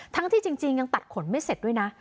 ที่จริงยังตัดขนไม่เสร็จด้วยนะ